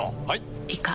はい。